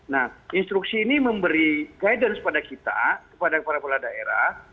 nah instruksi ini memberi guidance pada kita kepada para kepala daerah